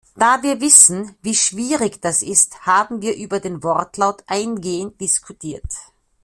Da wir wissen, wie schwierig das ist, haben wir über den Wortlaut eingehend diskutiert.